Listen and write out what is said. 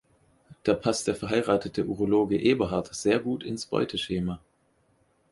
Da passt der verheiratete Urologe Eberhard sehr gut ins Beuteschema.